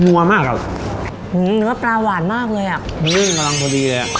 ัวมากอ่ะอืมเนื้อปลาหวานมากเลยอ่ะนึ่งกำลังพอดีเลยอ่ะ